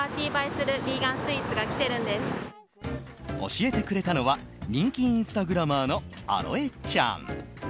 教えてくれたのは人気インスタグラマーのあろえちゃん。